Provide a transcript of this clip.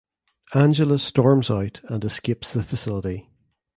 Angela storms out and escapes the facility.